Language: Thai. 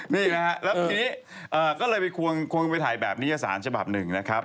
นี่นะฮะแล้วทีนี้ก็เลยไปควงไปถ่ายแบบนี้สารฉบับหนึ่งนะครับ